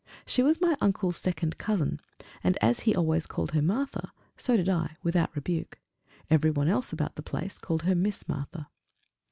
She was my uncle's second cousin, and as he always called her Martha, so did I, without rebuke: every one else about the place called her Miss Martha.